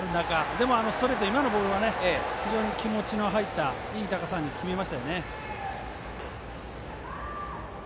でも、ストレート、今のボールは非常に気持ちの入ったいい高さに決めましたよね。